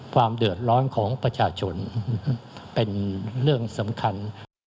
ความเดือดร้อนของประชาชนเป็นเรื่องสำคัญ